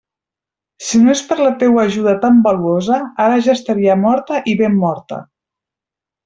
Si no és per la teua ajuda tan valuosa, ara ja estaria morta i ben morta.